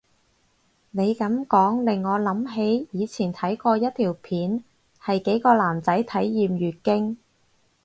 你噉講令我諗起以前睇過一條片係幾個男仔體驗月經